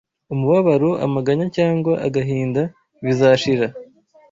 umubabaro amaganya cyangwa agahinda bizashira